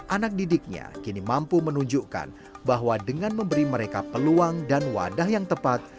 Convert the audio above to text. anak didiknya kini mampu menunjukkan bahwa dengan memberi mereka peluang dan wadah yang tepat